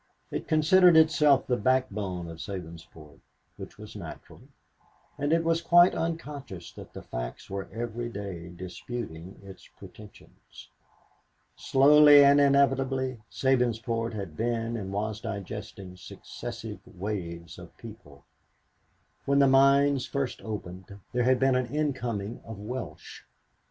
It considered itself the backbone of Sabinsport, which was natural; and it was quite unconscious that the facts were every day disputing its pretensions. Slowly and inevitably Sabinsport had been and was digesting successive waves of peoples. When the mines first opened there had been an incoming of Welsh.